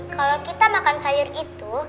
kalau kita makan sayur itu